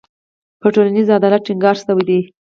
په ټولنیز عدالت ټینګار شوی دی.